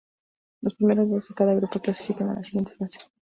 Los primeros dos de cada grupo clasifican a la siguiente fase.